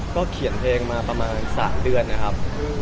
เขียนเพลงมาประมาณ๓เดือนนะครับ